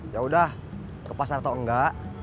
yaudah ke pasar atau enggak